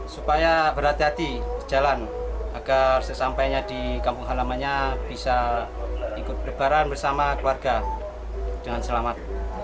supaya berhati hati jalan agar sesampainya di kampung halamannya bisa ikut lebaran bersama keluarga dengan selamat